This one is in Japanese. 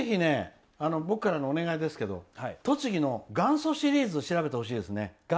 僕からのお願いですけど栃木の元祖シリーズを調べてほしいですね。